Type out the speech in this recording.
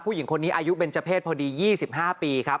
ผู้หญิงคนนี้อายุเบนเจอร์เพศพอดี๒๕ปีครับ